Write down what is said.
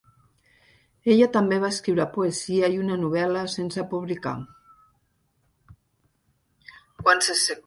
Ella també va escriure poesia i una novel·la sense publicar.